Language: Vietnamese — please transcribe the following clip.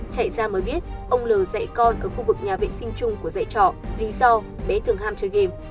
chạy ra mới biết ông l dãy con ở khu vực nhà vệ sinh chung của dãy trọ lý do bé thường ham chơi game